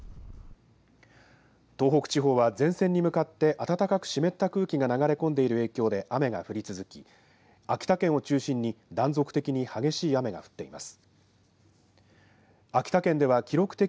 東北地方は前線に向かって暖かく湿った空気が流れ込んでいる影響で雨が降り続き秋田県を中心に断続的に激しい雨が降っています。